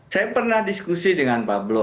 saya pernah diskusi dengan pablo